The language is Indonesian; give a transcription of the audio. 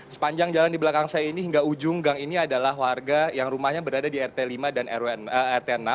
sepanjang jalan di belakang saya ini hingga ujung gang ini adalah warga yang rumahnya berada di rt lima dan rt enam